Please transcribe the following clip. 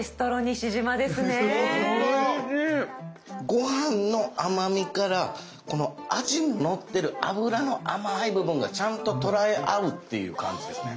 ご飯の甘みからこのアジに乗ってる脂の甘い部分がちゃんと捉え合うっていう感じですね。